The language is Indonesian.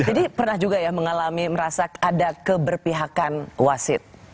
jadi pernah juga ya mengalami merasa ada keberpihakan wasid